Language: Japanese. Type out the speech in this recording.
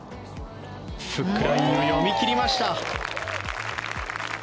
フックラインを読み切りました。